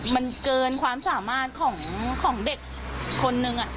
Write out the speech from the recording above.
มันเกินความสามารถของเด็กคนนึง